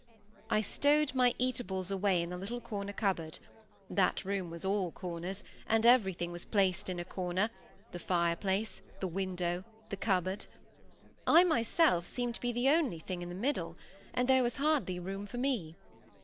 I stowed my eatables away in the little corner cupboard—that room was all corners, and everything was placed in a corner, the fire place, the window, the cupboard; I myself seemed to be the only thing in the middle, and there was hardly room for me.